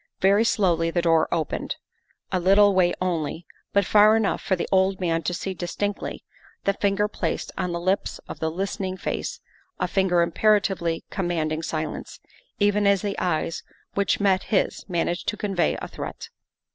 Very slowly the door opened, a little way only, but far enough for the old man to see distinctly the finger placed on the lips of the listening face a finger imperatively commanding silence, even as the eyes which met his managed to convey a threat.